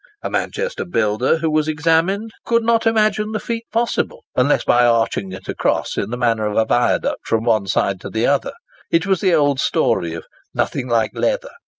A Manchester builder, who was examined, could not imagine the feat possible, unless by arching it across in the manner of a viaduct from one side to the other. It was the old story of "nothing like leather."